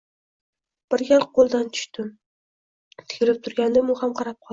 Bir gal qoʻlga tushdim: tikilib turgandim u ham qarab qoldi.